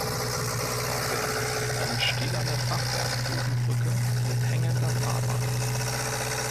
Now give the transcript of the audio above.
Das Bauwerk ist eine stählerne Fachwerk-Bogenbrücke mit hängender Fahrbahn.